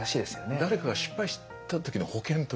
誰かが失敗した時の保険というか。